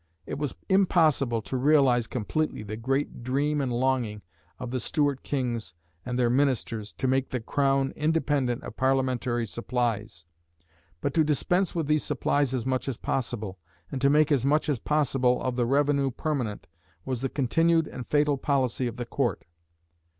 It was impossible to realise completely the great dream and longing of the Stuart kings and their ministers to make the Crown independent of parliamentary supplies; but to dispense with these supplies as much as possible, and to make as much as possible of the revenue permanent, was the continued and fatal policy of the Court.